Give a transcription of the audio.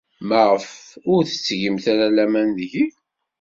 Maɣef ur tettgemt ara laman deg-i?